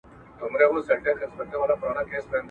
بیا یې د ایپي د مورچلونو ډېوې بلي کړې